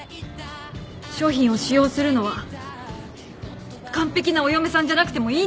商品を使用するのは完璧なお嫁さんじゃなくてもいいんです。